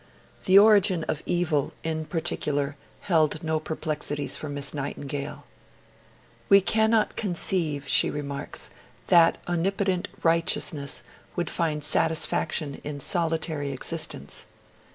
The Origin of Evil, in particular, held no perplexities for Miss Nightingale. 'We cannot conceive,' she remarks, 'that Omnipotent Righteousness would find satisfaction in solitary existence.'